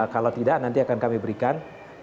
kalau tidak nanti akan kami berikan